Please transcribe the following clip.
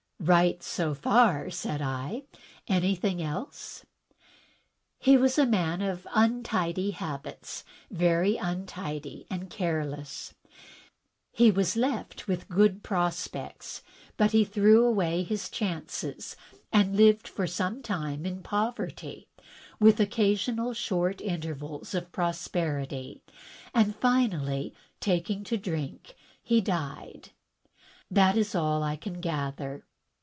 "Right, so far," said I. "Anything else?" "He was a man of tmtidy habits — ^very imtidy and careless. He was left with good prospects, but he threw away his chances, lived for some time in poverty with occasional short intervals of pros perity, and finally taking to drink, he died. That is all I can gather."